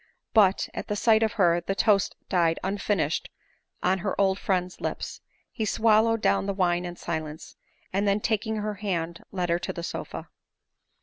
But, at sight of her the toast died unfinished on her old friend's lips ; he swallowed down the wine in silence, and then taking her hand led her to the sofa.